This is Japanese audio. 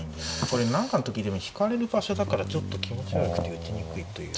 これ何かの時でも引かれる場所だからちょっと気持ち悪くて打ちにくいという。